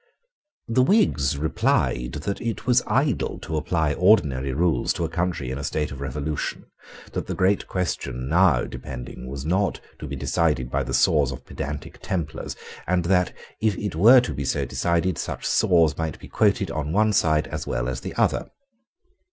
The Whigs replied that it was idle to apply ordinary rules to a country in a state of revolution, that the great question now depending was not to be decided by the saws of pedantic Templars, and that, if it were to be so decided, such saws might be quoted on one side as well as the other.